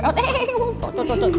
tunggu tunggu tunggu